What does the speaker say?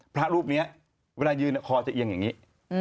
พระรูปนี้เวลายืนคอจะเอียงอย่างนี้